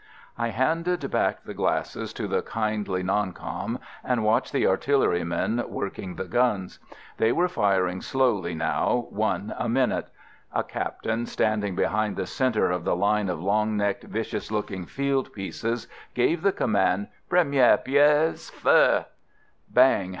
I handed back the glasses to the kindly "non com," and watched the artillerymen working the guns. They were firing slowly now, one a minute. A captain, standing behind the centre of the line of long necked, vicious looking field pieces, gave the command: "Première pièce ... feu!" "Bang!"